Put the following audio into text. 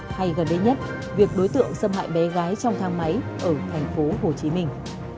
hay gần đây nhất việc đối tượng xâm hại bé gái trong thang máy ở thành phố hồ chí minh